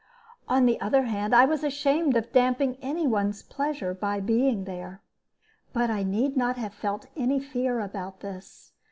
On the other hand, I was ashamed of damping any one's pleasure by being there. But I need not have felt any fear about this.